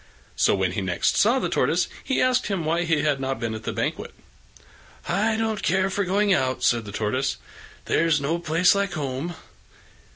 So when he next saw the Tortoise he asked him why he had not been at the banquet. "I don't care for going out," said the Tortoise; "there's no place like home."